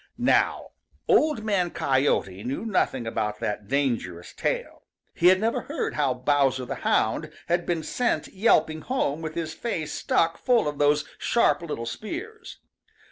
|NOW Old Man Coyote knew nothing about that dangerous tail. He had never heard how Bowser the Hound had been sent yelping home with his face stuck full of those sharp little spears.